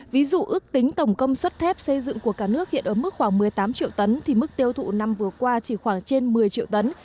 ví dụ ước tính tổng công suất thép xây dựng của cả nước hiện ở mức khoảng một mươi tám triệu tấn thì mức tiêu thụ năm vừa qua chỉ khoảng trên một mươi triệu tấn